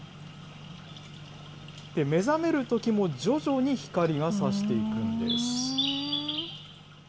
目覚めるときも徐々に光がさしていくんです。